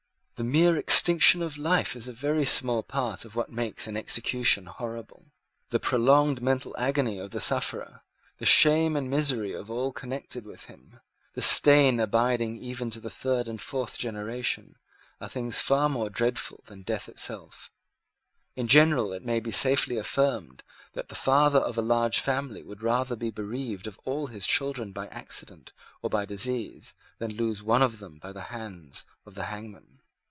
The mere extinction of life is a very small part of what makes an execution horrible. The prolonged mental agony of the sufferer, the shame and misery of all connected with him, the stain abiding even to the third and fourth generation, are things far more dreadful than death itself. In general it may be safely affirmed that the father of a large family would rather be bereaved of all his children by accident or by disease than lose one of them by the hands of the hangman.